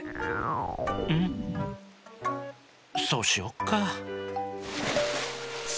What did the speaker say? そうしよっか。